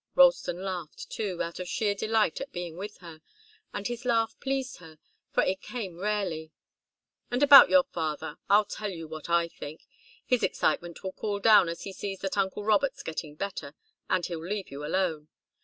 Ralston laughed, too, out of sheer delight at being with her, and his laugh pleased her, for it came rarely. "And about your father I'll tell you what I think. His excitement will cool down as he sees that uncle Robert's getting better, and he'll leave you alone.